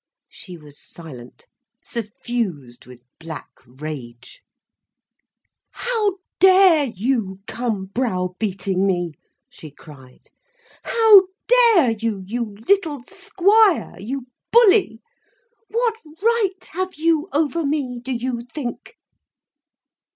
She was silent, suffused with black rage. "How dare you come brow beating me," she cried, "how dare you, you little squire, you bully. What right have you over me, do you think?"